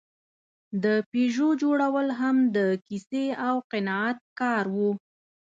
د پيژو جوړول هم د کیسې او قناعت کار و.